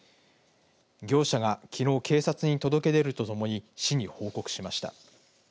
業者が、きのう警察に届け出るとともに市に報告しました。